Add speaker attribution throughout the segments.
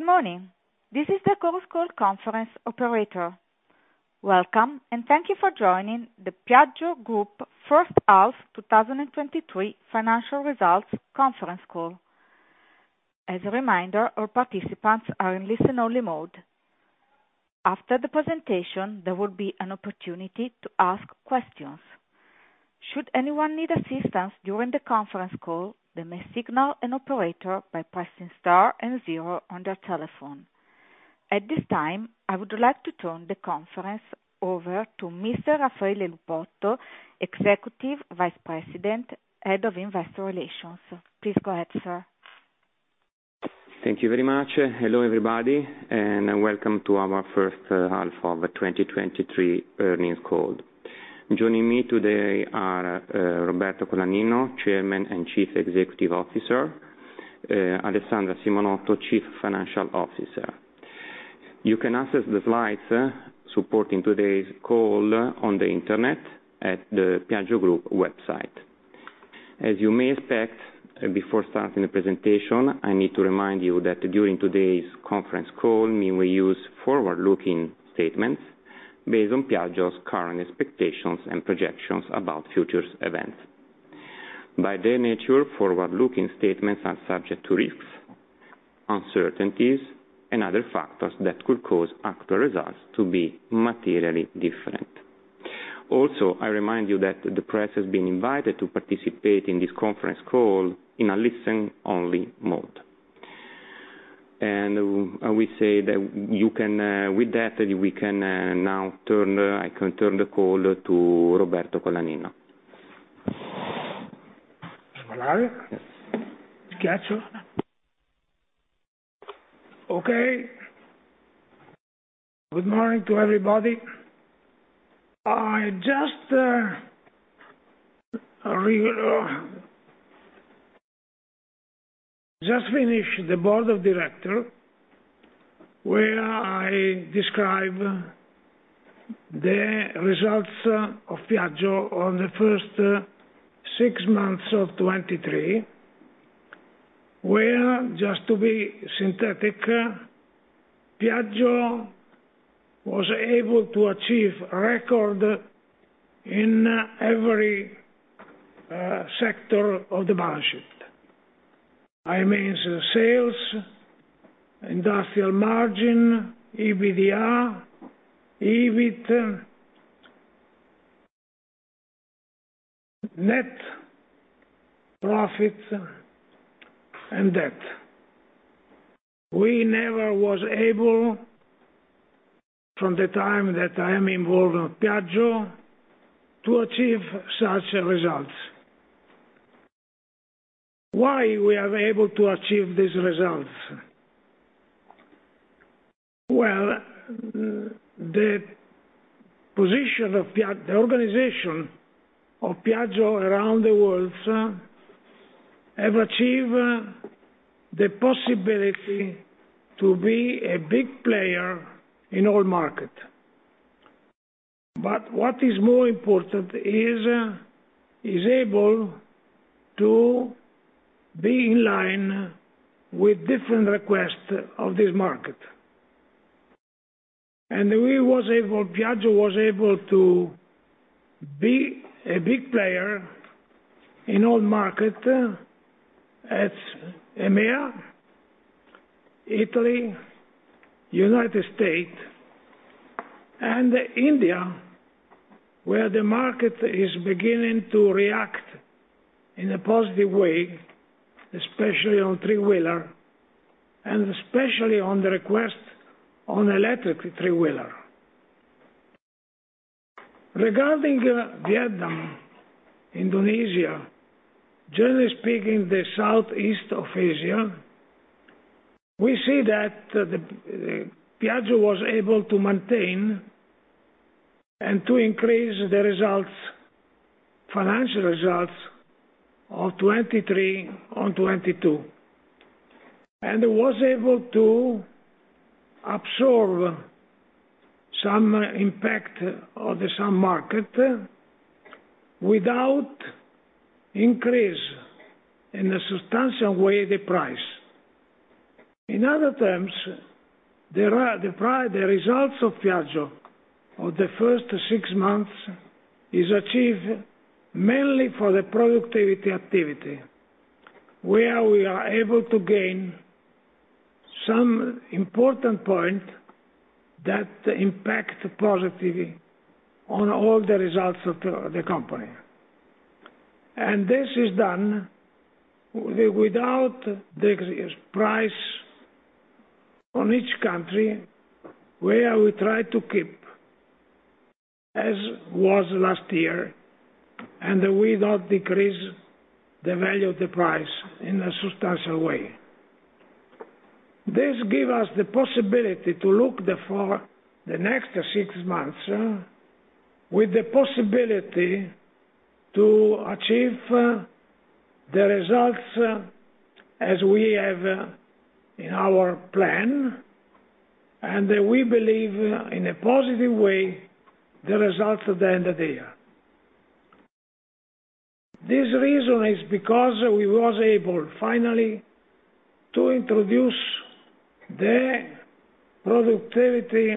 Speaker 1: Good morning. This is the Chorus Call conference operator. Welcome, and thank you for joining the Piaggio Group first half 2023 financial results conference call. As a reminder, all participants are in listen-only mode. After the presentation, there will be an opportunity to ask questions. Should anyone need assistance during the conference call, they may signal an operator by pressing Star and zero on their telephone. At this time, I would like to turn the conference over to Mr. Raffaele Lupotto, Executive Vice President, Head of Investor Relations. Please go ahead, sir.
Speaker 2: Thank you very much. Hello, everybody, and welcome to our first half of the 2023 earnings call. Joining me today are Roberto Colaninno, Chairman and Chief Executive Officer, Alessandra Simonotto, Chief Financial Officer. You can access the slides supporting today's call on the Internet at the Piaggio Group website. As you may expect, before starting the presentation, I need to remind you that during today's conference call, we will use forward-looking statements based on Piaggio's current expectations and projections about future events. By their nature, forward-looking statements are subject to risks, uncertainties, and other factors that could cause actual results to be materially different. I remind you that the press has been invited to participate in this conference call in a listen-only mode. I will say that you can. With that, I can turn the call to Roberto Colaninno.
Speaker 3: Okay. Good morning to everybody. I just finished the board of director, where I describe the results of Piaggio on the first six months of 2023, where, just to be synthetic, Piaggio was able to achieve a record in every sector of the balance sheet. I mean, sales, industrial margin, EBITDA, EBIT, net profit, and debt. We never was able, from the time that I am involved in Piaggio, to achieve such a result. Why we are able to achieve these results? Well, the position of Piaggio, the organization of Piaggio around the world, have achieved the possibility to be a big player in all market. What is more important is able to be in line with different requests of this market. Piaggio was able to be a big player in all market, as EMEA, Italy, United States, and India, where the market is beginning to react in a positive way, especially on three-wheeler, and especially on the request on electric three-wheeler. Regarding Vietnam, Indonesia, generally speaking, the Southeast of Asia, we see that Piaggio was able to maintain and to increase the results, financial results of 23 on 22, and was able to absorb some impact of the some market without increase in a substantial way, the price. In other terms, the results of Piaggio of the first six months is achieved mainly for the productivity activity, where we are able to gain some important point that impact positively on all the results of the company. This is done without the price on each country, where we try to keep as was last year and without decrease the value of the price in a substantial way. This give us the possibility to look the for the next six months, with the possibility to achieve the results as we have in our plan, and we believe in a positive way, the results at the end of the year. This reason is because we was able, finally, to introduce the productivity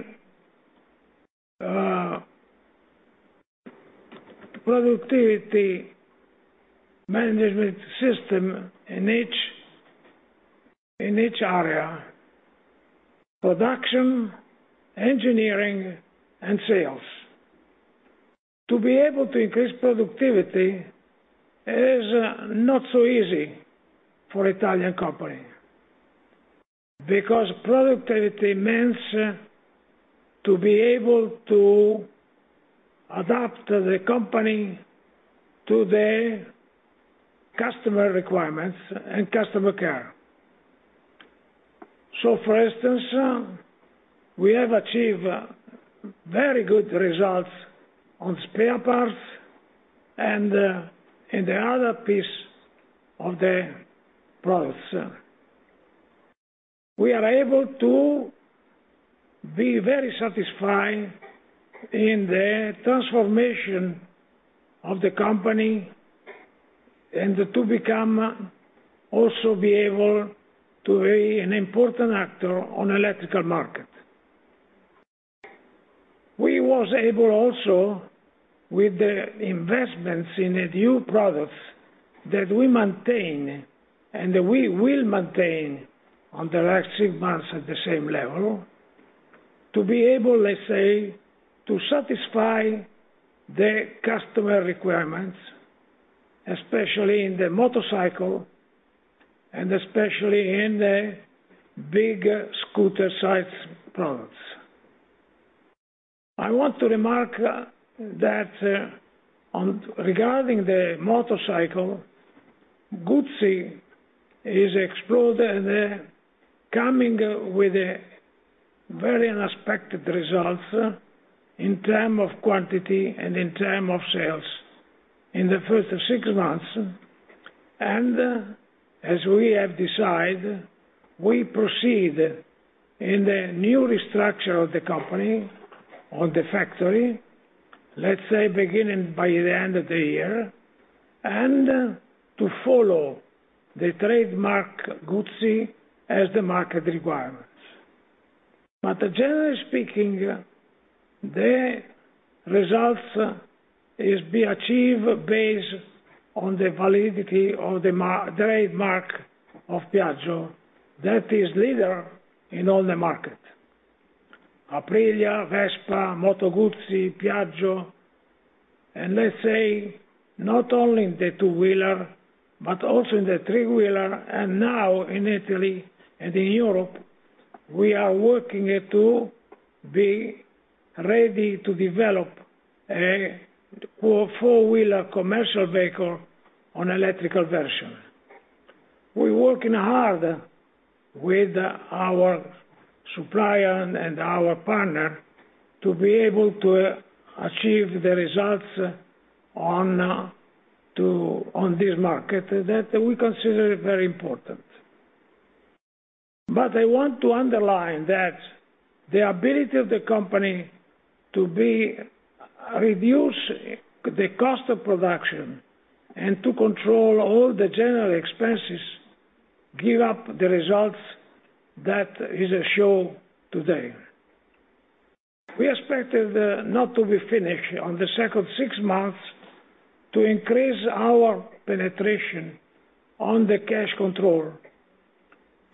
Speaker 3: management system in each area: production, engineering, and sales. To be able to increase productivity is not so easy for Italian company, because productivity means to be able to adapt the company to the customer requirements and customer care. For instance, we have achieved very good results on spare parts and in the other piece of the products. We are able to be very satisfied in the transformation of the company, and to become also be able to be an important actor on electrical market. We was able also, with the investments in the new products, that we maintain, and we will maintain on the last six months at the same level, to be able to satisfy the customer requirements, especially in the motorcycle, and especially in the big scooter size products. I want to remark that, on regarding the motorcycle, Guzzi is explored and coming with very unexpected results in terms of quantity and in terms of sales in the first six months. As we have decided, we proceed in the new restructure of the company, on the factory, let's say, beginning by the end of the year, and to follow the trademark Guzzi as the market requirements. Generally speaking, the results is being achieved based on the validity of the trademark of Piaggio, that is leader in all the market. Aprilia, Vespa, Moto Guzzi, Piaggio, and let's say, not only in the two-wheeler, but also in the three-wheeler, and now in Italy and in Europe, we are working to be ready to develop a four-wheeler commercial vehicle on electrical version. We're working hard with our supplier and our partner to be able to achieve the results on this market that we consider very important. I want to underline that the ability of the company to be... Reduce the cost of production and to control all the general expenses, give up the results that is shown today. We expected, not to be finished on the second six months, to increase our penetration on the cash control,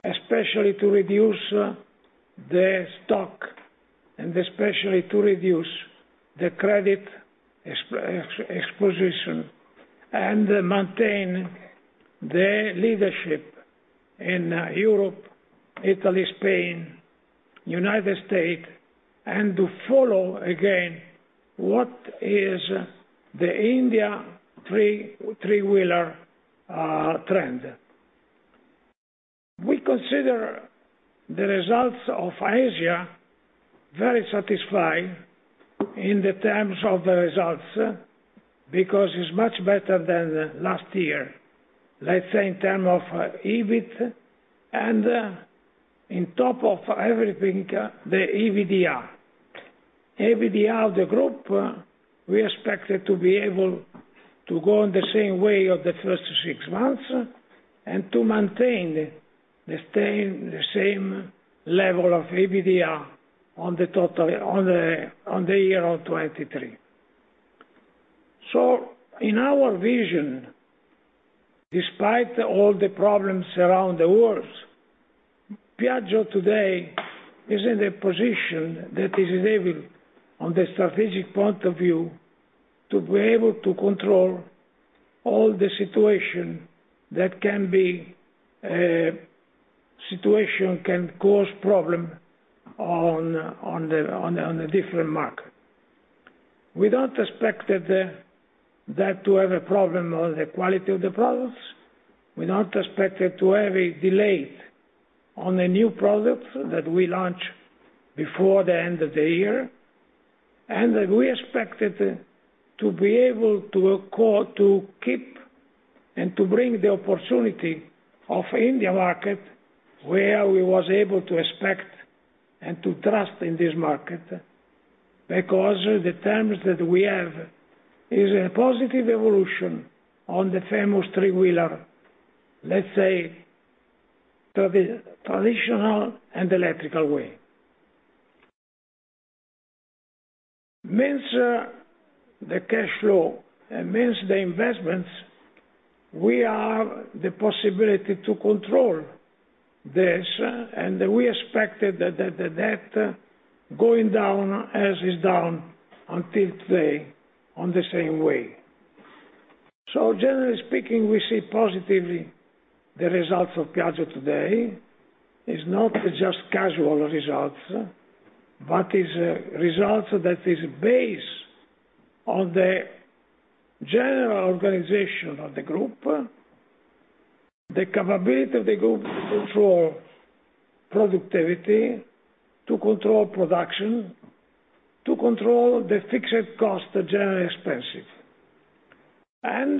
Speaker 3: especially to reduce the stock, and especially to reduce the credit exposition, and maintain the leadership in Europe, Italy, Spain, United States, and to follow again, what is the India three-wheeler trend? We consider the results of Asia very satisfied in the terms of the results, because it's much better than the last year, let's say, in term of EBIT, and in top of everything, the EBITDA. EBITDA of the group, we expected to be able to go in the same way of the first six months, and to maintain the same, the same level of EBITDA on the total, on the, on the year of 2023. In our vision, despite all the problems around the world, Piaggio today is in a position that is able, on the strategic point of view, to be able to control all the situation that can cause problem on a different market. We don't expect that to have a problem on the quality of the products. We not expect it to have a delay on the new products that we launch before the end of the year. That we expected to be able to accord, to keep and to bring the opportunity of India market, where we was able to expect and to trust in this market. The terms that we have is a positive evolution on the famous three-wheeler, let's say, traditional and electrical way. Means, the cash flow and means the investments, we have the possibility to control this. We expected that the debt going down, as is down until today, on the same way. Generally speaking, we see positively the results of Piaggio today. Is not just casual results, but is results that is based on the general organization of the group, the capability of the group to control productivity, to control production, to control the fixed cost, generally expensive, and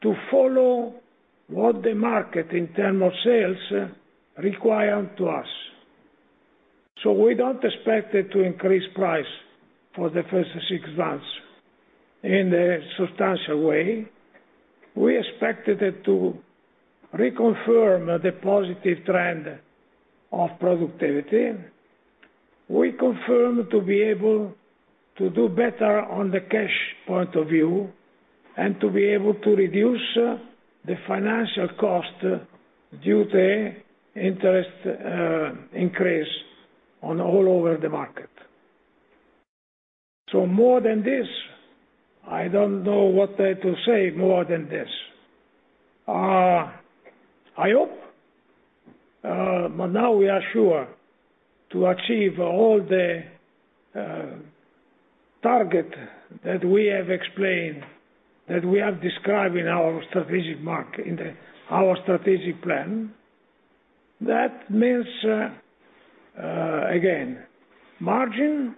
Speaker 3: to follow what the market, in term of sales, require to us. We don't expect it to increase price for the first six months in a substantial way. We expected it to reconfirm the positive trend of productivity. We confirm to be able to do better on the cash point of view, and to be able to reduce the financial cost due to interest increase on all over the market. More than this, I don't know what to say more than this. I hope, now we are sure to achieve all the target that we have explained, that we have described in our strategic mark... in the our strategic plan. That means, again, margin,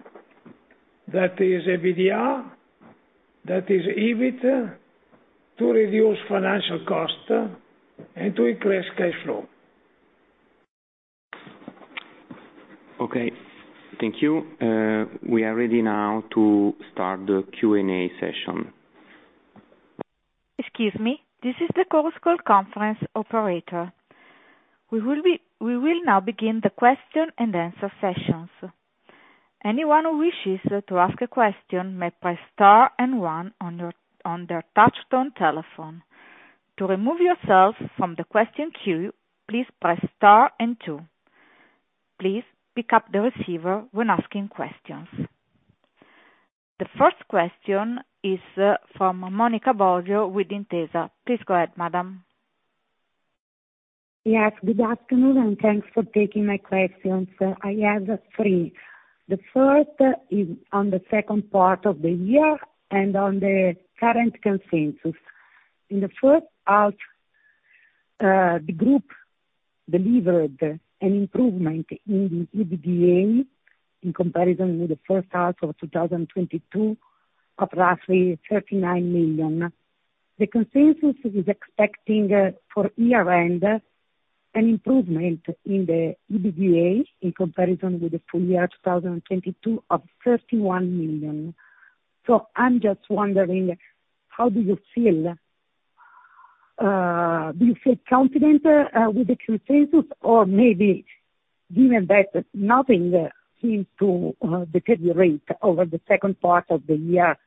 Speaker 3: that is EBITDA, that is EBIT, to reduce financial cost and to increase cash flow.
Speaker 2: Okay, thank you. We are ready now to start the Q&A session.
Speaker 1: Excuse me, this is the Chorus Call conference operator. We will now begin the question and answer sessions. Anyone who wishes to ask a question may press star one on their touchtone telephone. To remove yourself from the question queue, please press star two. Please pick up the receiver when asking questions. The first question is from Monica Bosio with Intesa. Please go ahead, madam.
Speaker 4: Good afternoon, and thanks for taking my questions. I have three. The first is on the second part of the year and on the current consensus. In the first half, the group delivered an improvement in the EBITDA in comparison with the first half of 2022 of roughly 39 million. The consensus is expecting, for year end, an improvement in the EBITDA in comparison with the full year 2022 of 31 million. I'm just wondering, how do you feel? Do you feel confident, with the consensus? Or maybe given that nothing seems to deteriorate over the second part of the year,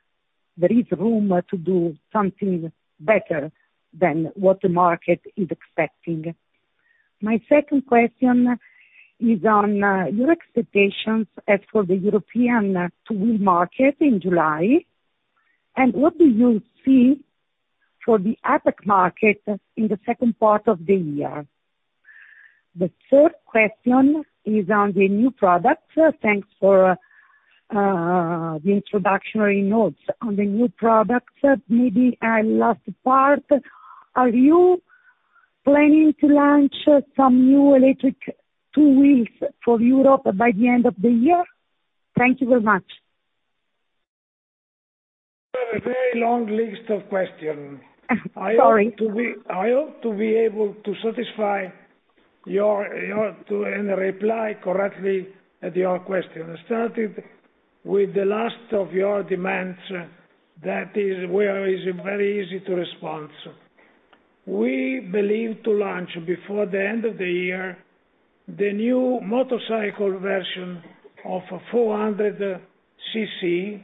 Speaker 4: there is room to do something better than what the market is expecting. My second question is on your expectations as for the European two-wheel market in July. What do you see for the APAC market in the second part of the year? The third question is on the new products. Thanks for the introductory notes on the new products. Maybe last part, are you planning to launch some new electric two wheels for Europe by the end of the year? Thank you very much.
Speaker 3: You have a very long list of questions.
Speaker 4: Sorry.
Speaker 3: I hope to be able to satisfy and reply correctly at your question. Starting with the last of your demands, that is, where is very easy to respond. We believe to launch before the end of the year, the new motorcycle version of 400cc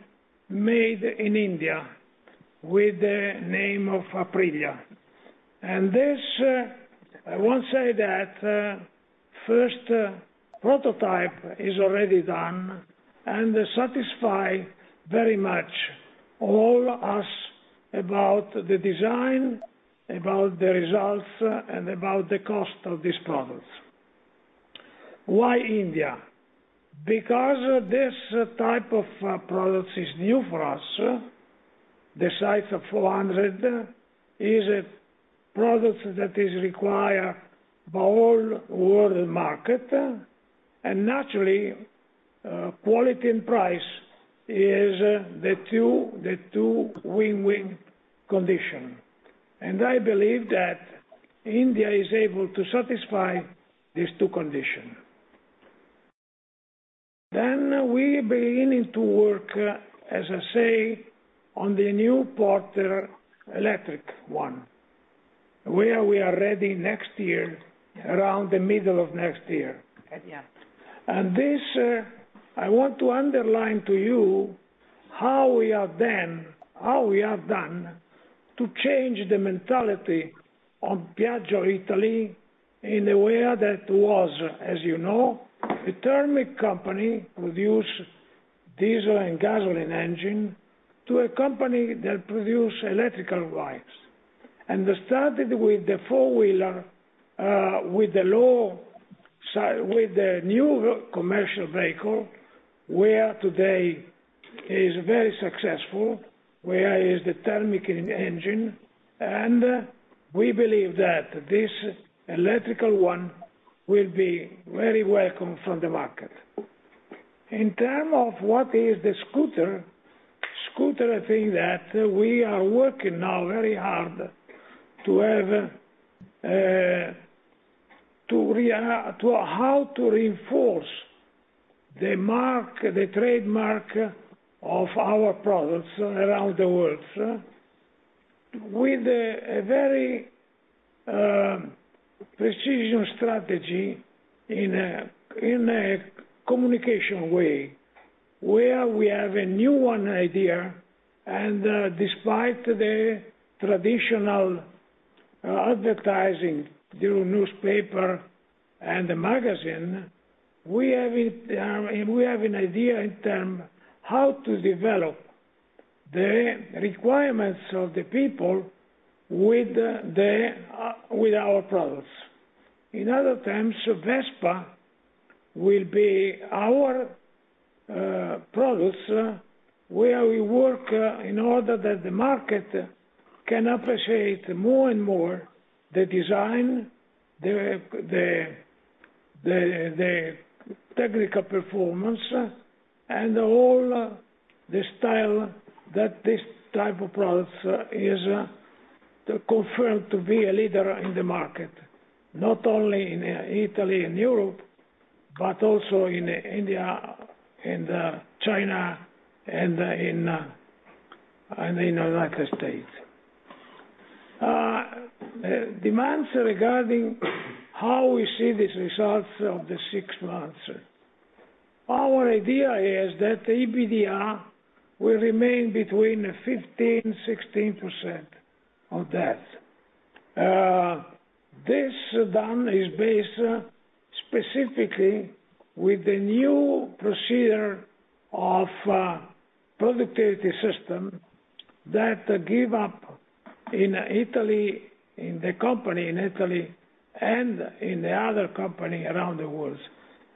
Speaker 3: made in India with the name of Aprilia. This, I want to say that, first prototype is already done and satisfy very much all us about the design, about the results, and about the cost of this product. Why India? This type of products is new for us. The size of 400 is a product that is required by all world market, naturally, quality and price is the two win-win condition. I believe that India is able to satisfy these two condition. We beginning to work, as I say, on the new Porter Electric one, where we are ready next year, around the middle of next year.
Speaker 5: Yeah.
Speaker 3: I want to underline to you how we are then, how we have done to change the mentality of Piaggio, Italy, in a way that was, as you know, a thermic company, produce diesel and gasoline engine, to a company that produce electrical rides. They started with the four-wheeler, with the new commercial vehicle, where today is very successful, where is the thermic engine, and we believe that this electrical one will be very welcome from the market. In term of what is the scooter, I think that we are working now very hard to reinforce the mark, the trademark of our products around the world, with a very precision strategy in a communication way, where we have a new one idea. Despite the traditional advertising through newspaper and the magazine, we have it, we have an idea in term, how to develop the requirements of the people with our products. In other terms, Vespa will be our products, where we work in order that the market can appreciate more and more the design, the technical performance, and all the style that this type of products is confirmed to be a leader in the market, not only in Italy and Europe, but also in India, in the China, and in United States. Demands regarding how we see these results of the six months. Our idea is that the EBITDA will remain between 15%-16% of that. This then is based specifically with the new procedure of productivity system that give up in Italy, in the company in Italy and in the other company around the world,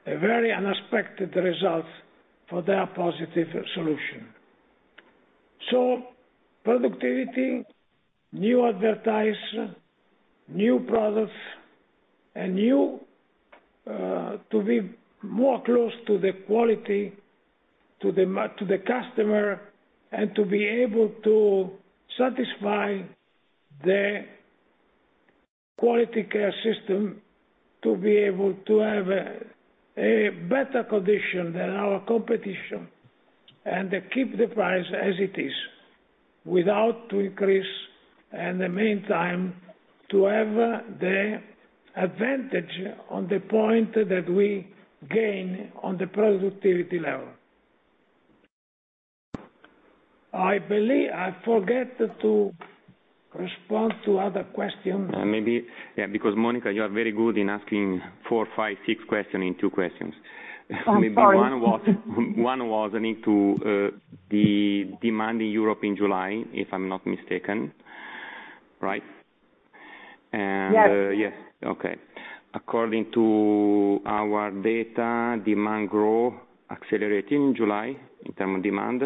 Speaker 3: a very unexpected result for their positive solution. Productivity, new advertise, new products, and new, to be more close to the quality, to the customer, and to be able to satisfy the quality care system, to be able to have a better condition than our competition, and keep the price as it is, without to increase, in the meantime, to have the advantage on the point that we gain on the productivity level. I believe. I forget to respond to other question.
Speaker 2: Maybe, yeah, because, Monica, you are very good in asking four, five, six question in two questions.
Speaker 4: I'm sorry.
Speaker 2: One was into the demand in Europe in July, if I'm not mistaken. Right?
Speaker 4: Yes.
Speaker 2: Yes. Okay. According to our data, demand grow accelerating in July, in term of demand,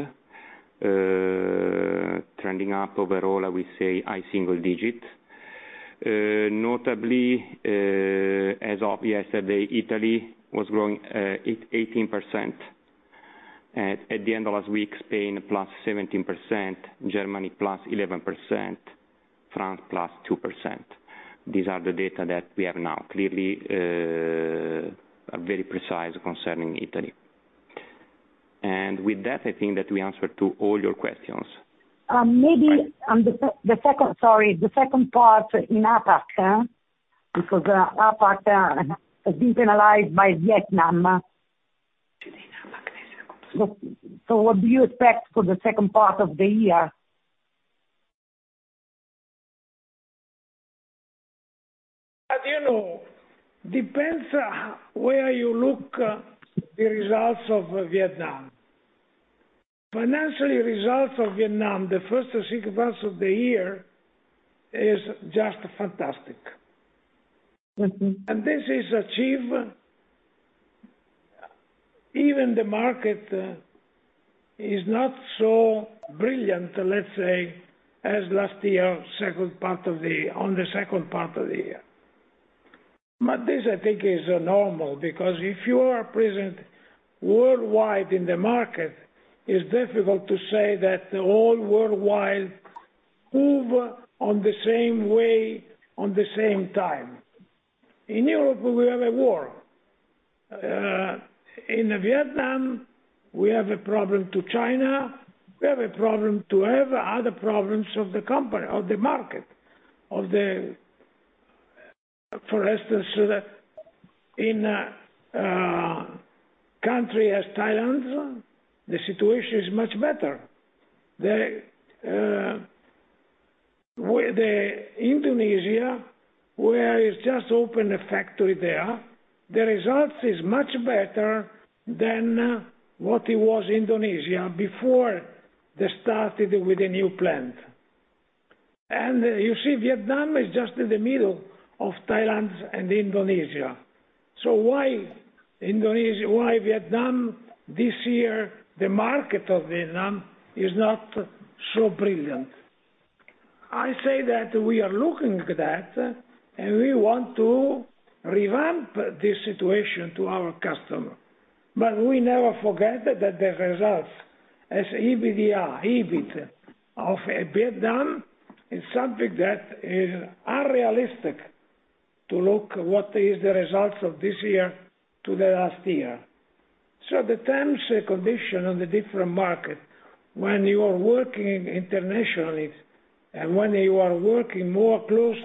Speaker 2: trending up overall, I will say, high single-digit. Notably, as of yesterday, Italy was growing 18%. At the end of last week, Spain, +17%, Germany, +11%, France, +2%. These are the data that we have now, clearly, are very precise concerning Italy. With that, I think that we answered to all your questions.
Speaker 4: Maybe on the second part in APAC, because APAC has been analyzed by Vietnam. What do you expect for the second part of the year?
Speaker 3: As you know, depends, where you look, the results of Vietnam. Financially, results of Vietnam, the first six months of the year is just fantastic.
Speaker 4: Mm-hmm.
Speaker 3: This is achieved, even the market, is not so brilliant, let's say, as last year, second part of the. On the second part of the year. This, I think, is normal, because if you are present worldwide in the market, it's difficult to say that the whole worldwide move on the same way, on the same time. In Europe, we have a war. In Vietnam, we have a problem to China, we have a problem to have other problems of the company, of the market, of the, for instance, so that in country as Thailand, the situation is much better. The Indonesia, where it's just opened a factory there, the results is much better than what it was Indonesia before they started with the new plant. You see, Vietnam is just in the middle of Thailand and Indonesia. Why Indonesia? Why Vietnam this year, the market of Vietnam is not so brilliant? I say that we are looking at that, and we want to revamp this situation to our customer. We never forget that the results, as EBITDA, EBIT of Vietnam, is something that is unrealistic, to look what is the results of this year to the last year. The terms and condition on the different market, when you are working internationally, and when you are working more close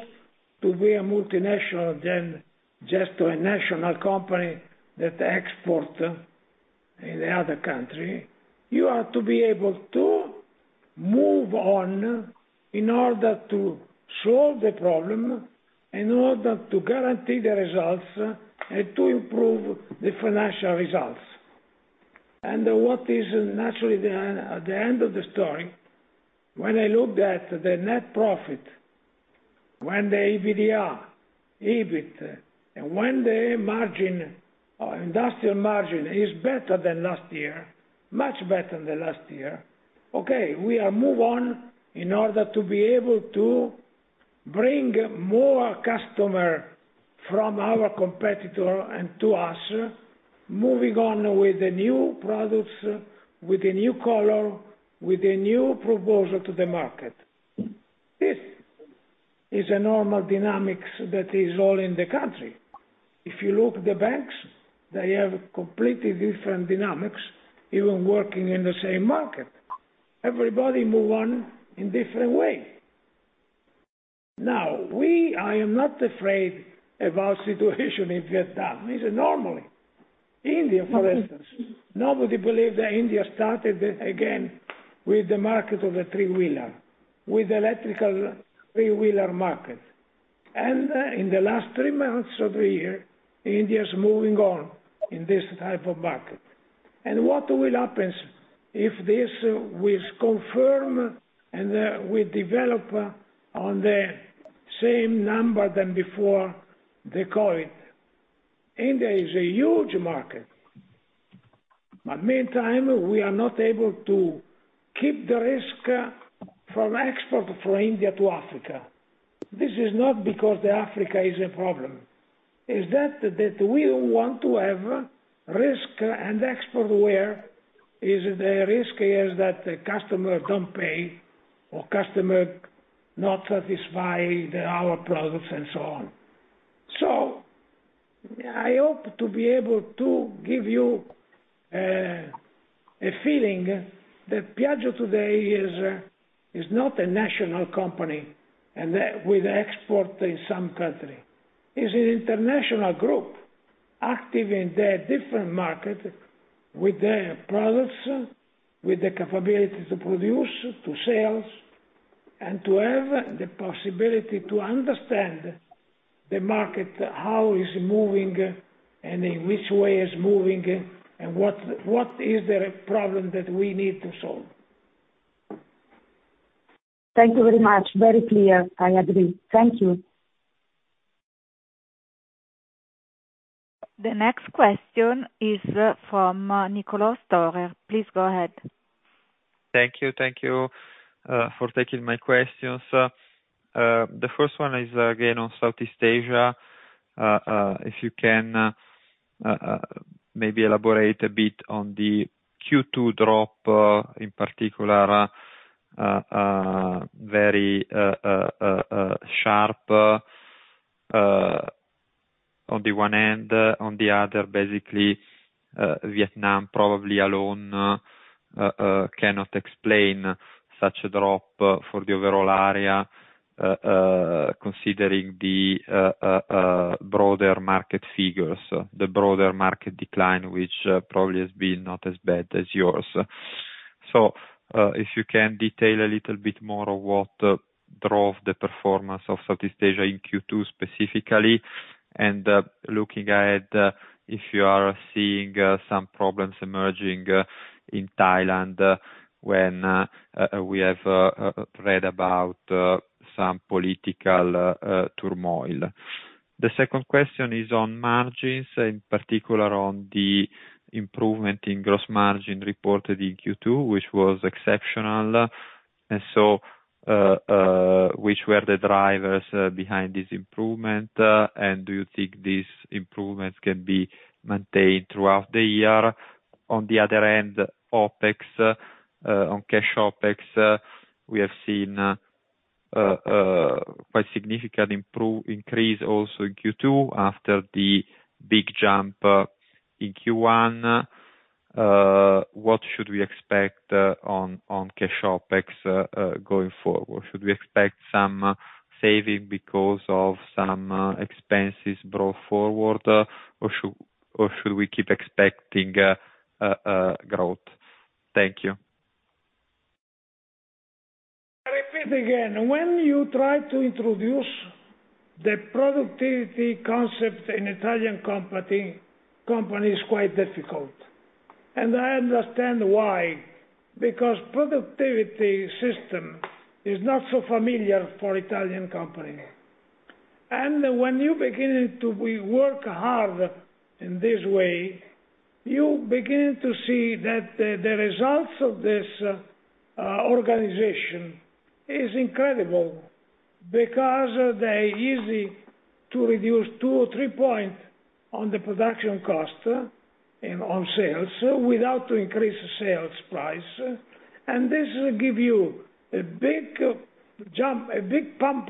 Speaker 3: to be a multinational than just to a national company that export in the other country, you are to be able to move on in order to solve the problem, in order to guarantee the results and to improve the financial results. What is naturally the, at the end of the story, when I looked at the net profit, when the EBITDA, EBIT, and when the margin, or industrial margin, is better than last year, much better than last year. Okay, we are move on in order to be able to bring more customer from our competitor and to us, moving on with the new products, with the new color, with a new proposal to the market. This is a normal dynamics that is all in the country. If you look the banks, they have completely different dynamics, even working in the same market. Everybody move on in different way. Now, I am not afraid about situation in Vietnam. This is normally. India, for instance, nobody believed that India started again with the market of a three-wheeler, with electrical three-wheeler market. In the last three months of the year, India is moving on in this type of market. What will happens if this will confirm and will develop on the same number than before the COVID? India is a huge market, meantime, we are not able to keep the risk from export from India to Africa. This is not because the Africa is a problem, is that we don't want to have risk and export where is the risk is that the customer don't pay, or customer not satisfied our products and so on. I hope to be able to give you a feeling that Piaggio today is not a national company, and that with export in some country. Is an international group, active in the different market, with the products, with the capability to produce, to sell, and to have the possibility to understand the market, how it's moving and in which way it's moving, and what is the problem that we need to solve?
Speaker 4: Thank you very much. Very clear, I agree. Thank you.
Speaker 1: The next question is, from Niccolò Storer. Please go ahead.
Speaker 6: Thank you. Thank you for taking my questions. The first one is, again, on Southeast Asia. If you can maybe elaborate a bit on the Q2 drop, in particular, very sharp on the one hand, on the other, basically, Vietnam probably alone cannot explain such a drop for the overall area, considering the broader market figures, the broader market decline, which probably has been not as bad as yours? If you can detail a little bit more of what drove the performance of Southeast Asia in Q2 specifically, and looking at if you are seeing some problems emerging in Thailand, when we have read about some political turmoil? The second question is on margins, in particular on the improvement in gross margin reported in Q2, which was exceptional. Which were the drivers behind this improvement? Do you think these improvements can be maintained throughout the year? On the other end, OpEx, on cash OpEx, we have seen quite significant increase also in Q2 after the big jump in Q1. What should we expect on cash OpEx going forward? Should we expect some saving because of some expenses brought forward, or should we keep expecting growth? Thank you.
Speaker 3: I repeat again, when you try to introduce the productivity concept in Italian company, is quite difficult. I understand why, because productivity system is not so familiar for Italian company. When you begin to be work hard in this way, you begin to see that the results of this organization is incredible, because they're easy to reduce two or three point on the production cost and on sales, without to increase sales price. This will give you a big jump, a big pump,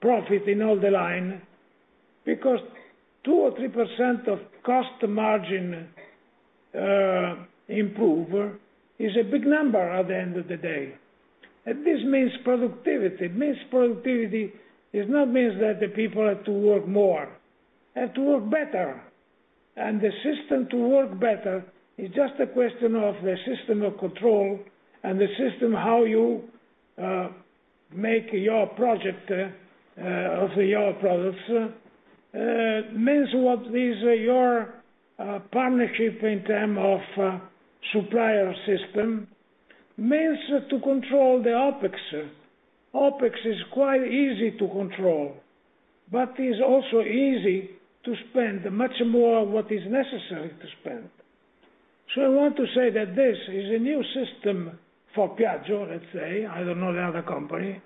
Speaker 3: profit in all the line, because 2% or 3% of cost margin improve is a big number at the end of the day. This means productivity. Means productivity, it not means that the people have to work more, have to work better. The system to work better is just a question of the system of control and the system how you make your project of your products. Means what is your partnership in term of supplier system. Means to control the OpEx. OpEx is quite easy to control, but is also easy to spend much more what is necessary to spend. I want to say that this is a new system for Piaggio, let's say, I don't know the other company,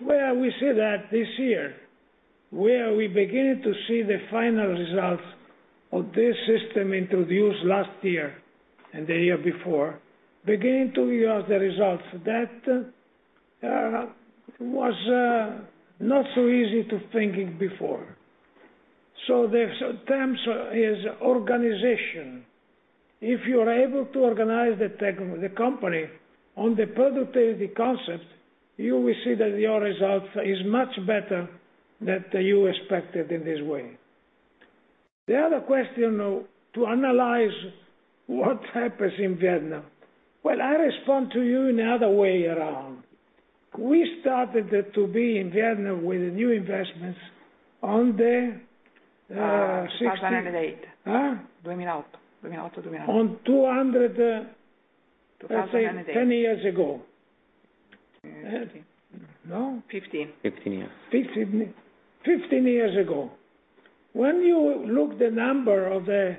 Speaker 3: where we see that this year, where we begin to see the final results of this system introduced last year and the year before, beginning to give us the results that was not so easy to thinking before. There's terms is organization. If you are able to organize. the company on the productivity concept, you will see that your results is much better than you expected in this way. The other question, to analyze what happens in Vietnam. I respond to you in other way around. We started to be in Vietnam with new investments on the.
Speaker 5: 2008.
Speaker 3: Huh?... On 200.
Speaker 5: 2008.
Speaker 3: Let's say, 10 years ago. No?
Speaker 5: 15.
Speaker 2: 15 years.
Speaker 3: 15 years ago. When you look the number of the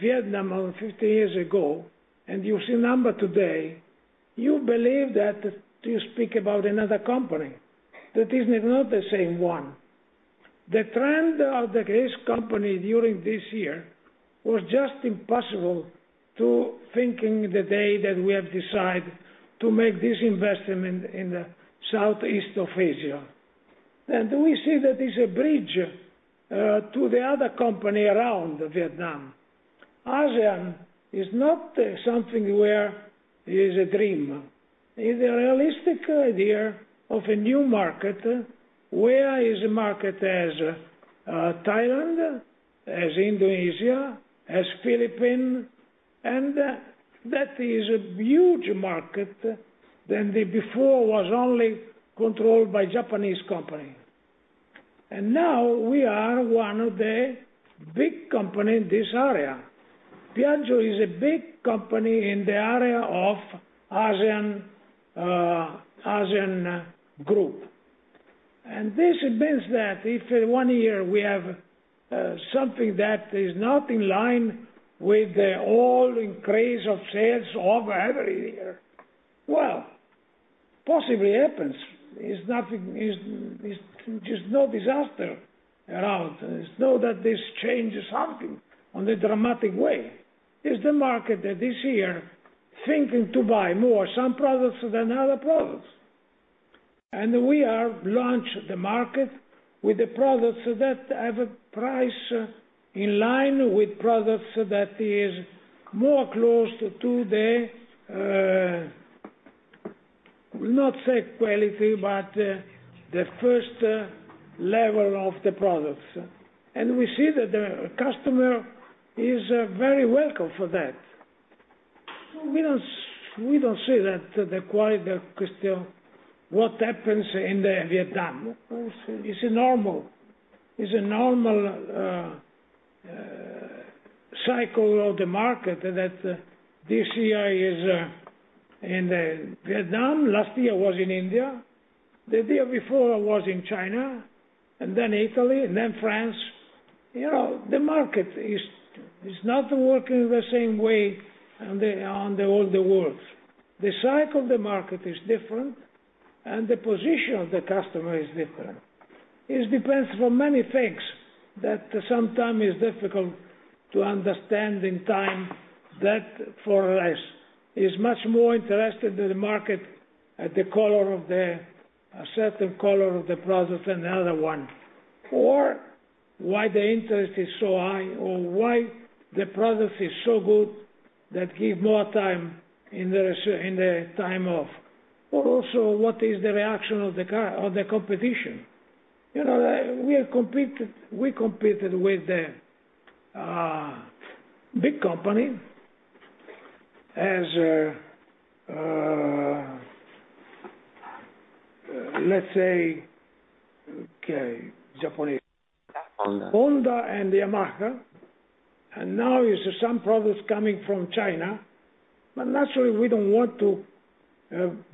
Speaker 3: Vietnam of 15 years ago, and you see number today, you believe that you speak about another company, that is not the same one. The trend of the grace company during this year was just impossible to thinking the day that we have decided to make this investment in the southeast of Asia. We see that there's a bridge to the other company around Vietnam. ASEAN is not something where is a dream. It's a realistic idea of a new market, where is a market as Thailand, as Indonesia, as Philippines, and that is a huge market than the before was only controlled by Japanese company. Now we are one of the big company in this area. Piaggio is a big company in the area of ASEAN group. This means that if in one year we have something that is not in line with the all increase of sales over every year, well, possibly happens. It's nothing, it's just no disaster around. It's not that this changes something on the dramatic way. It's the market that this year thinking to buy more, some products than other products. We are launched the market with the products that have a price in line with products that is more close to the not say quality, but the first level of the products. We see that the customer is very welcome for that. We don't see that the quite, the question, what happens in the Vietnam? It's a normal cycle of the market, that this year is in Vietnam, last year was in India, the year before was in China, and then Italy, and then France. You know, the market is not working the same way on the all the world. The cycle of the market is different. The position of the customer is different. It depends on many things that sometimes is difficult to understand in time, that for us, is much more interested in the market, at the color of a certain color of the product than the other one. Why the interest is so high, why the product is so good that give more time in the time of. Also, what is the reaction of the competition? You know, we competed with the big company as, let's say, okay.
Speaker 2: Honda.
Speaker 3: Honda and Yamaha, and now is some products coming from China, but naturally, we don't want to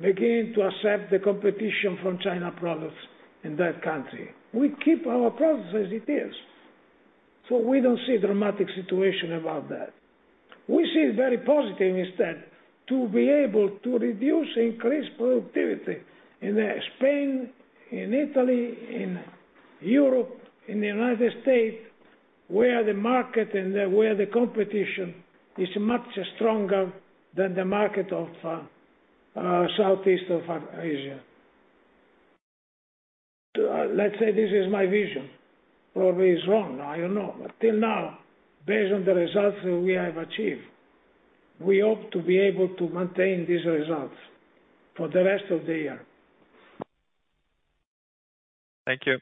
Speaker 3: begin to accept the competition from China products in that country. We keep our products as it is, so we don't see dramatic situation about that. We see it very positive instead, to be able to reduce increased productivity in Spain, in Italy, in Europe, in the United States, where the market and where the competition is much stronger than the market of Southeast of Asia. Let's say this is my vision. Probably is wrong, I don't know. Till now, based on the results that we have achieved, we hope to be able to maintain these results for the rest of the year.
Speaker 6: Thank you.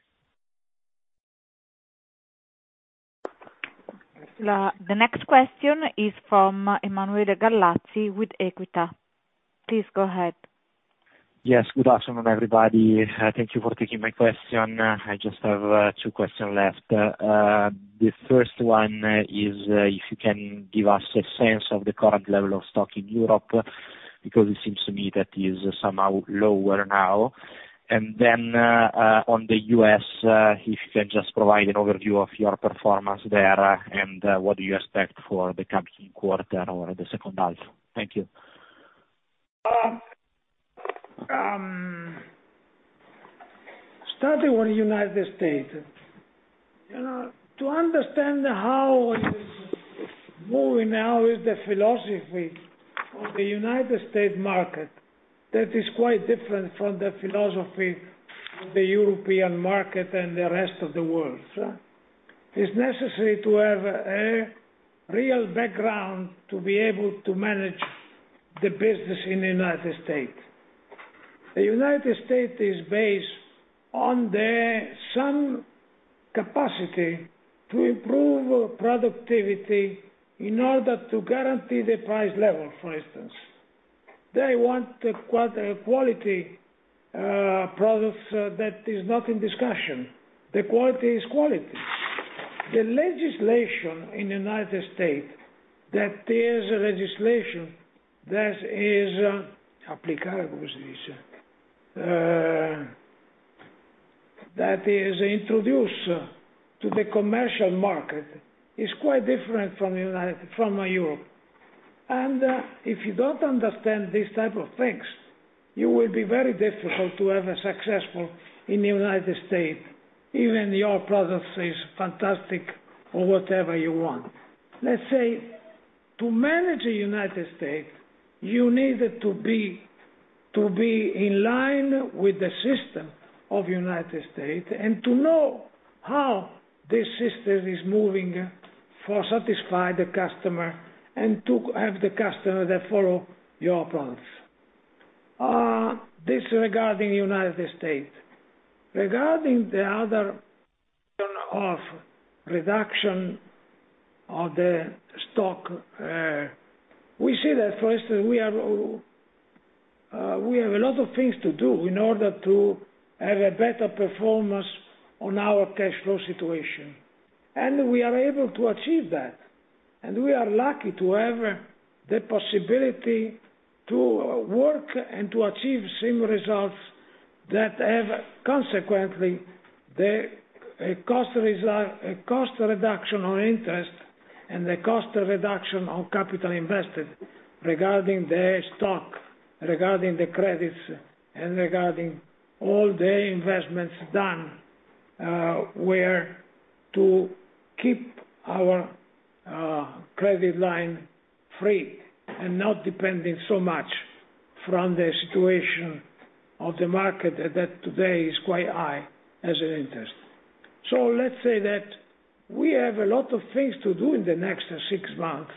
Speaker 1: The next question is from Emanuele Gallazzi, with Equita. Please go ahead.
Speaker 7: Yes, good afternoon, everybody. Thank you for taking my question. I just have two questions left. The first one is if you can give us a sense of the current level of stock in Europe, because it seems to me that is somehow lower now. On the U.S., if you can just provide an overview of your performance there, and what do you expect for the coming quarter or the second half? Thank you.
Speaker 3: Starting with United States. You know, to understand how moving now is the philosophy of the United States market, that is quite different from the philosophy of the European market and the rest of the world. It's necessary to have a real background to be able to manage the business in the United States. The United States is based on the some capacity to improve productivity in order to guarantee the price level, for instance. They want a quality products that is not in discussion. The quality is quality. The legislation in the United States, that there is a legislation that is applicable, that is introduced to the commercial market, is quite different from Europe. If you don't understand these type of things, you will be very difficult to have a successful in the United States, even your product is fantastic or whatever you want. Let's say, to manage the United States, you need to be in line with the system of United States, and to know how this system is moving for satisfy the customer and to have the customer that follow your products. This regarding United States. Regarding the other of reduction of the stock, we see that, for instance, we have a lot of things to do in order to have a better performance on our cash flow situation. We are able to achieve that, and we are lucky to have the possibility to work and to achieve same results that have consequently, a cost reduction on interest, and the cost reduction on capital invested regarding the stock, regarding the credits, and regarding all the investments done, where to keep our credit line free and not depending so much from the situation of the market, that today is quite high as an interest. Let's say that we have a lot of things to do in the next six months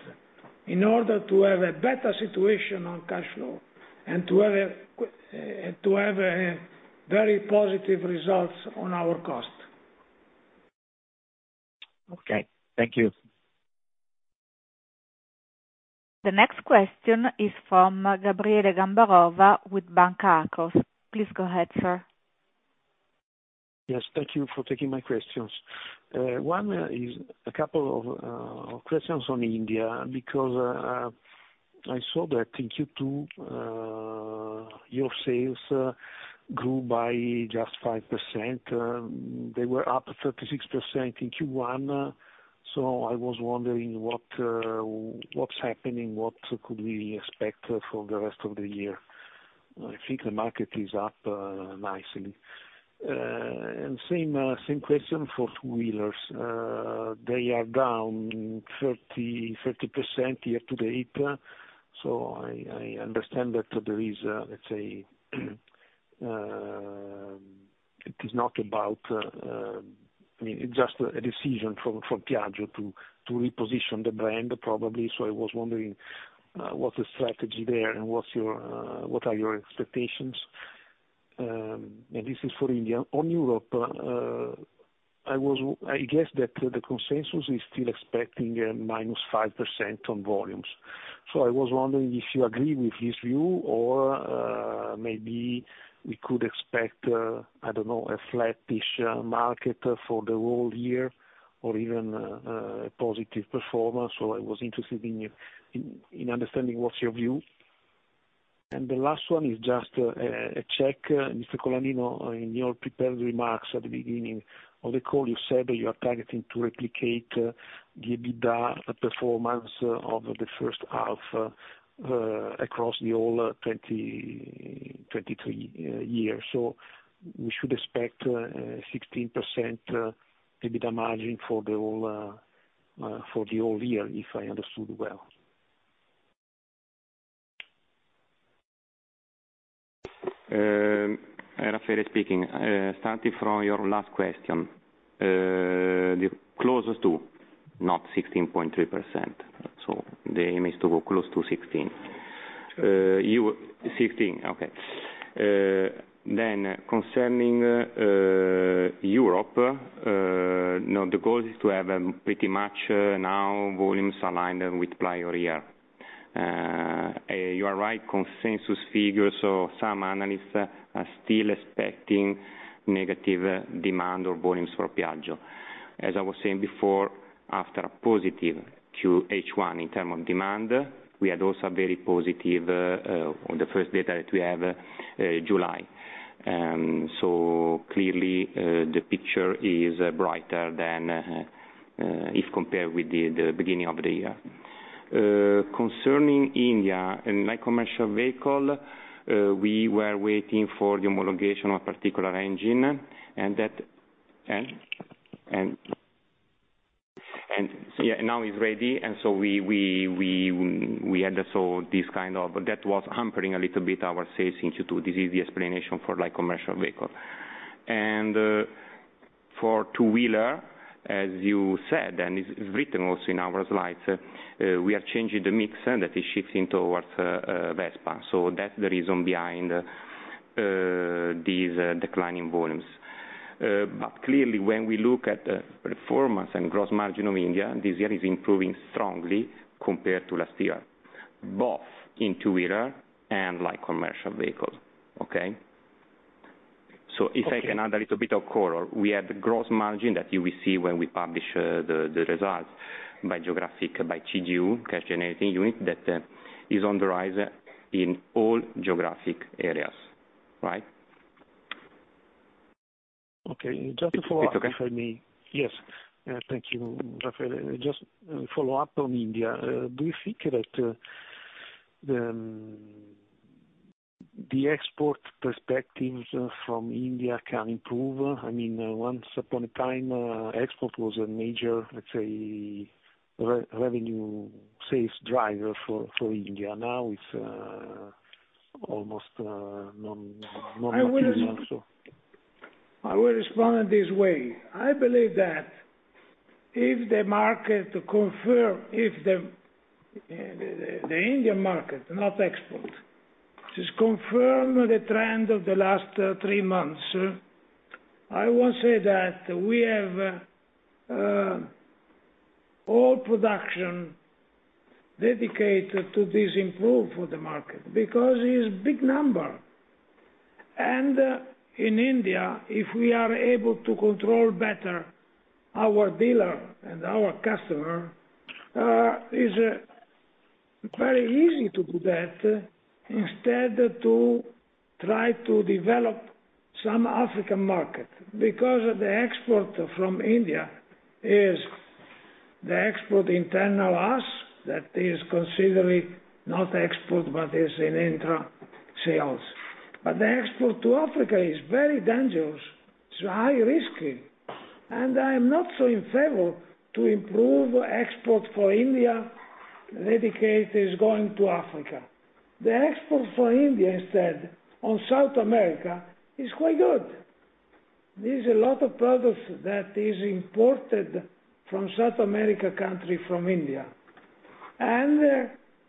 Speaker 3: in order to have a better situation on cash flow and to have a very positive results on our cost.
Speaker 7: Okay. Thank you.
Speaker 1: The next question is from Gabriele Gambarova, with Banca Akros. Please go ahead, sir.
Speaker 8: Yes, thank you for taking my questions. One is a couple of questions on India, because... I saw that in Q2, your sales grew by just 5%. They were up 36% in Q1, I was wondering what's happening, what could we expect for the rest of the year? I think the market is up nicely. Same question for two-wheelers. They are down 30% year to date. I understand that there is, let's say, I mean, it's just a decision from Piaggio to reposition the brand, probably. I was wondering what's the strategy there, and what's your what are your expectations? This is for India. On Europe, I guess that the consensus is still expecting a -5% on volumes. I was wondering if you agree with this view or maybe we could expect, I don't know, a flattish market for the whole year or even a positive performance. I was interested in understanding what's your view. The last one is just a check. Mr. Colaninno, in your prepared remarks at the beginning of the call, you said that you are targeting to replicate the EBITDA performance of the first half across the all 2023 years. We should expect 16% EBITDA margin for the whole year, if I understood well.
Speaker 2: Raffaele speaking. Starting from your last question, the closest to not 16.3%, so the aim is to go close to 16; 15, okay. Concerning Europe, no, the goal is to have pretty much now volumes aligned with prior year. You are right, consensus figures, some analysts are still expecting negative demand or volumes for Piaggio. As I was saying before, after a positive Q1 in term of demand, we had also very positive on the first data that we have, July. Clearly, the picture is brighter than if compared with the beginning of the year. Concerning India and light commercial vehicle, we were waiting for the homologation of particular engine. Yeah, now it's ready. That was hampering a little bit our sales in Q2. This is the explanation for light commercial vehicle. For two-wheeler, as you said, it's written also in our slides, we are changing the mix, that is shifting towards Vespa. That's the reason behind these declining volumes. Clearly, when we look at the performance and gross margin of India, this year is improving strongly compared to last year, both in two-wheeler and light commercial vehicles. Okay?
Speaker 8: Okay.
Speaker 2: If I can add a little bit of color, we have a gross margin that you will see when we publish, the results by geographic, by CGU, Cash-Generating Unit, that is on the rise in all geographic areas. Right?
Speaker 8: Okay, just to follow up.
Speaker 2: It's okay? If I may.
Speaker 8: Yes, thank you, Raffaele. Just follow up on India. Do you think that the export perspectives from India can improve? I mean, once upon a time, export was a major, let's say, revenue sales driver for India. Now it's almost non-
Speaker 3: I will respond. I will respond this way: I believe that if the market confirm, if the Indian market, not export, just confirm the trend of the last three months, I will say that we have all production dedicated to this improve for the market, because it's big number. In India, if we are able to control better our dealer and our customer, it's very easy to do that, instead, to try to develop some African market, because of the export from India is the export internal us, that is considered not export, but is in intra sales. The export to Africa is very dangerous, it's high risky, I'm not so in favor to improve export for India, dedicated is going to Africa. The export for India, instead, on South America, is quite good. There's a lot of products that is imported from South American country, from India.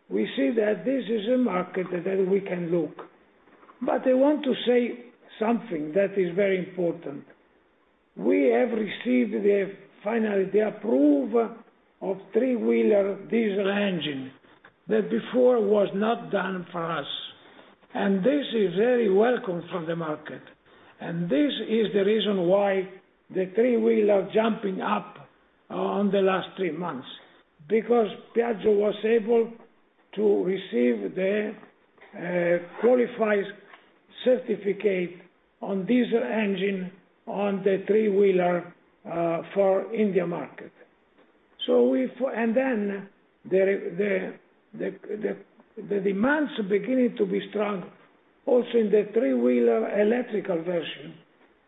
Speaker 3: We see that this is a market that we can look. I want to say something that is very important. We have received the, finally, the approval of three-wheeler diesel engine, that before was not done for us. This is very welcome from the market, and this is the reason why the three-wheeler jumping up on the last three months. Piaggio was able to receive the qualifies certificate on diesel engine on the three-wheeler for India market. The demands are beginning to be strong also in the three-wheeler electrical version,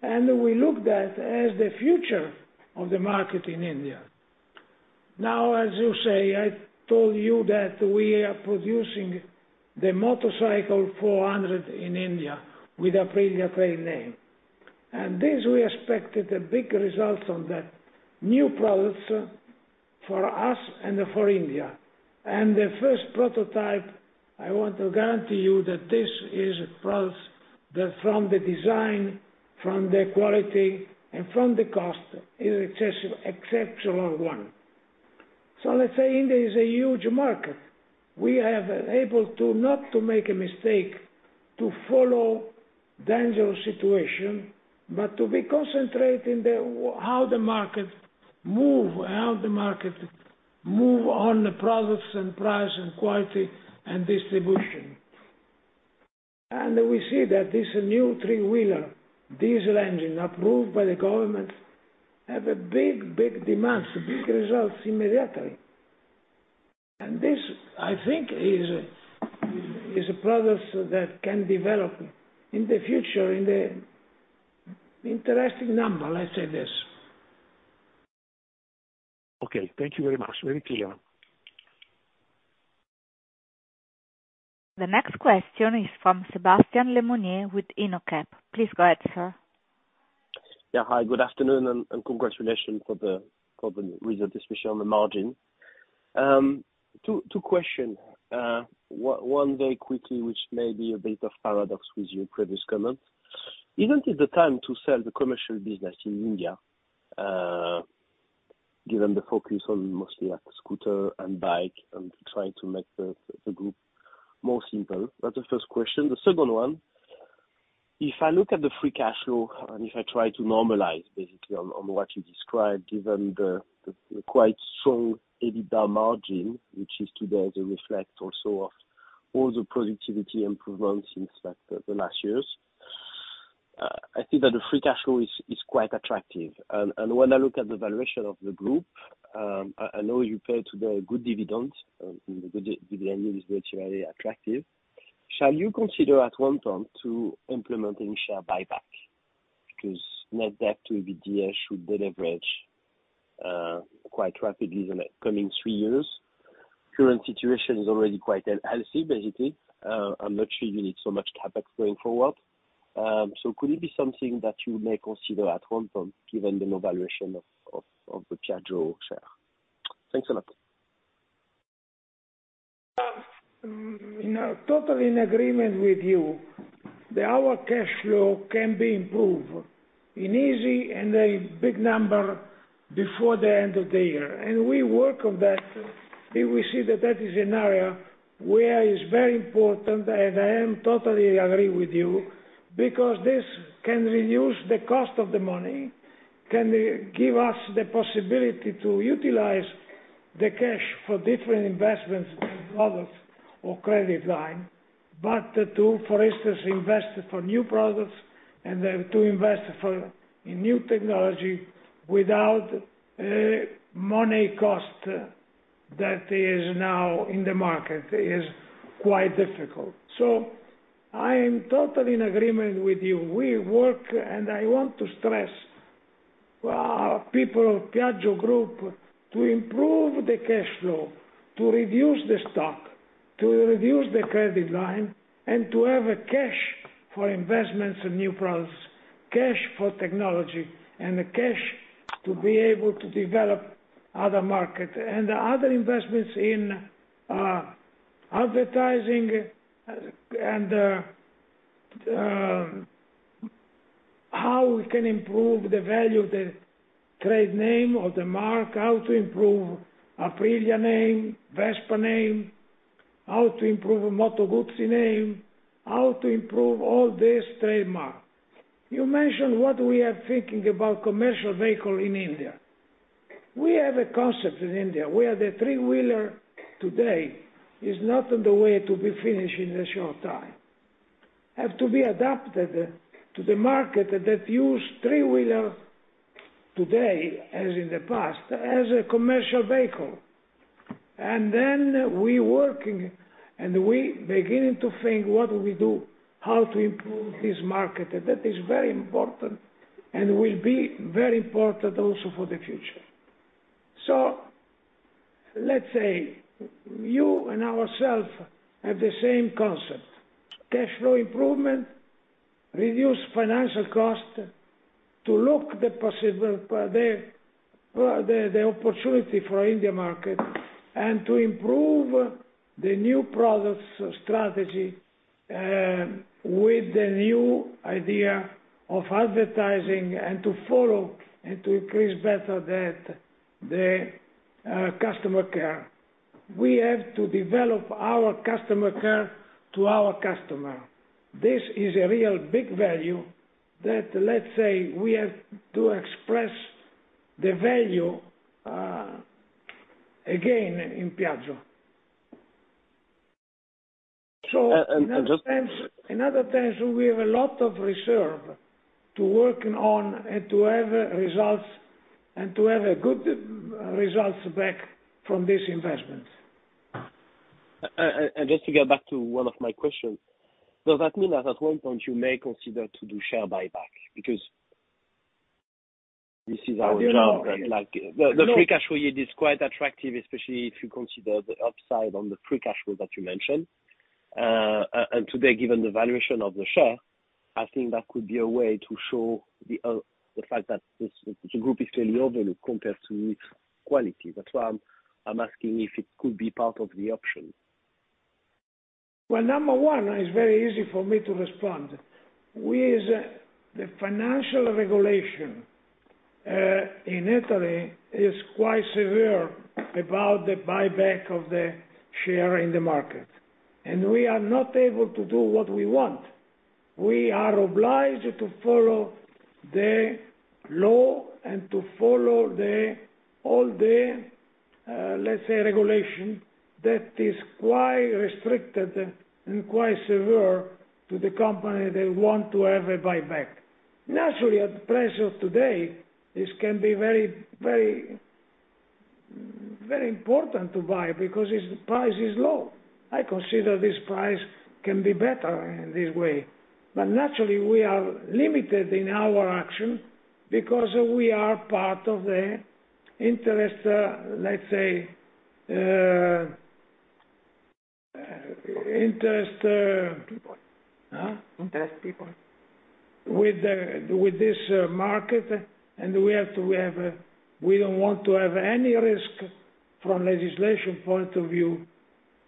Speaker 3: and we looked at as the future of the market in India. As you say, I told you that we are producing the motorcycle 400 in India with Aprilia trade name. This we expected a big result on the new products for us and for India. The first prototype, I want to guarantee you that this is a product that from the design, from the quality, and from the cost, is exceptional one. Let's say India is a huge market. We have able to not to make a mistake, to follow dangerous situation, but to be concentrating how the market move on the products and price and quality and distribution. We see that this new three-wheeler diesel engine, approved by the government, have a big demand, big results immediately. This, I think, is a product that can develop in the future, in the interesting number, let's say this.
Speaker 8: Okay, thank you very much. Very clear.
Speaker 1: The next question is from Sébastien Lemonnier with INOCAP. Please go ahead, sir.
Speaker 9: Hi, good afternoon and congratulations for the result, especially on the margin. Two question. One very quickly, which may be a bit of paradox with your previous comment. Isn't it the time to sell the commercial business in India, given the focus on mostly like scooter and bike and to try to make the group more simple? That's the first question. The second one, if I look at the free cash flow, and if I try to normalize basically on what you described, given the quite strong EBITDA margin, which is today the reflect also of all the productivity improvements since like the last years, I see that the free cash flow is quite attractive. When I look at the valuation of the Piaggio Group, I know you pay today a good dividend, the dividend is virtually attractive. Shall you consider at one time to implementing share buyback? Net debt to EBITDA should deleverage quite rapidly in the coming three years. Current situation is already quite healthy, basically. I'm not sure you need so much CapEx going forward. Could it be something that you may consider at one time, given the valuation of the Piaggio share? Thanks a lot.
Speaker 3: You know, totally in agreement with you, that our cash flow can be improved in easy and a big number before the end of the year. We work on that, we see that that is an area where is very important, and I am totally agree with you, because this can reduce the cost of the money, can give us the possibility to utilize the cash for different investments and products or credit line, but to, for instance, invest for new products and then to invest for in new technology without money cost that is now in the market, is quite difficult. I am totally in agreement with you. We work, and I want to stress, people of Piaggio Group to improve the cash flow, to reduce the stock, to reduce the credit line, and to have a cash for investments in new products, cash for technology and cash to be able to develop other market. Other investments in advertising, and, how we can improve the value of the trade name or the mark, how to improve Aprilia name, Vespa name, how to improve Moto Guzzi name, how to improve all this trademark. You mentioned what we are thinking about commercial vehicle in India. We have a concept in India, where the three-wheeler today is not on the way to be finished in a short time. Have to be adapted to the market that use three-wheeler today, as in the past, as a commercial vehicle. We working, and we beginning to think what we do, how to improve this market. That is very important and will be very important also for the future. Let's say, you and ourself have the same concept: cash flow improvement, reduce financial cost, to look the possible, the, the opportunity for India market, and to improve the new products strategy, with the new idea of advertising and to follow and to increase better that customer care. We have to develop our customer care to our customer. This is a real big value that, let's say, we have to express the value again in Piaggio.
Speaker 9: And, and just-
Speaker 3: In other terms, we have a lot of reserve to working on and to have results, and to have a good results back from this investment.
Speaker 9: Just to get back to one of my questions, does that mean that at one point you may consider to do share buyback? This is our job.
Speaker 3: No.
Speaker 9: The free cash flow yield is quite attractive, especially if you consider the upside on the free cash flow that you mentioned. Today, given the valuation of the share, I think that could be a way to show the fact that the group is fairly overlooked compared to its quality. That's why I'm asking if it could be part of the option.
Speaker 3: Well, number one, it's very easy for me to respond. With the financial regulation in Italy is quite severe about the buyback of the share in the market, we are not able to do what we want. We are obliged to follow the law and to follow all the, let's say, regulation that is quite restricted and quite severe to the company that want to have a buyback. Naturally, at the price of today, this can be very important to buy because its price is low. I consider this price can be better in this way. Naturally, we are limited in our action because we are part of the interest, let's say, interest.
Speaker 5: People.
Speaker 3: Huh?
Speaker 5: Interest people.
Speaker 3: With this market, we have to have, we don't want to have any risk from legislation point of view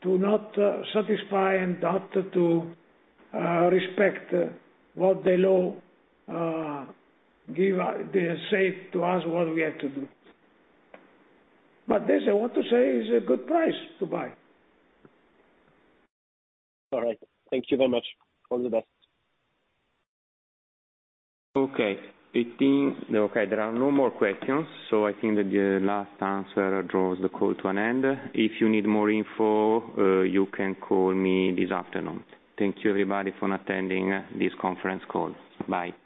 Speaker 3: to not satisfy and not to respect what the law give us. They say to us what we have to do. This, I want to say, is a good price to buy.
Speaker 9: All right. Thank you very much. All the best.
Speaker 2: Okay, there are no more questions. I think that the last answer draws the call to an end. If you need more info, you can call me this afternoon. Thank you, everybody, for attending this conference call. Bye.